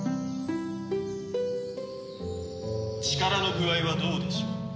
力の具合はどうでしょう？